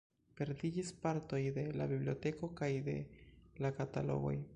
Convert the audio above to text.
Perdiĝis partoj de la biblioteko kaj de la katalogoj.